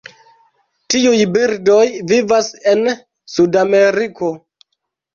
Tiuj birdoj vivas en Sudameriko.